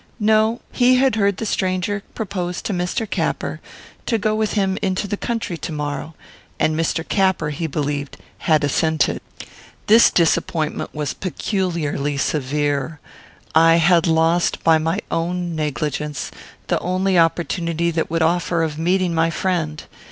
No; he had heard the stranger propose to Mr. Capper to go with him into the country to morrow, and Mr. Capper, he believed, had assented. This disappointment was peculiarly severe. I had lost, by my own negligence, the only opportunity that would offer of meeting my friend.